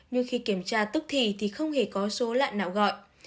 nhưng khi kiểm tra tức thì thì không hề có số lạn nào gọi